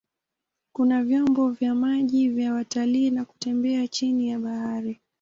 Kuna vyombo vya maji vya watalii na kutembea chini ya bahari.